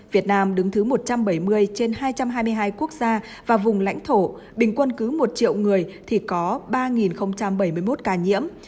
việt nam đứng thứ một trăm bảy mươi trên hai trăm hai mươi hai quốc gia và vùng lãnh thổ bình quân cứ một triệu người thì có ba bảy mươi một ca nhiễm